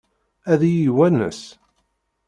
Ad iyi-iwanes?